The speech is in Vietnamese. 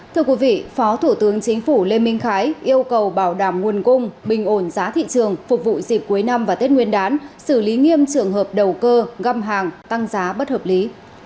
thưa quý vị phó thủ tướng chính phủ lê minh khái yêu cầu bảo đảm nguồn cung bình ổn giá thị trường phục vụ dịp cuối năm và tết nguyên đán xử lý nghiêm trường hợp đầu cơ găm hàng tăng giá bất hợp lý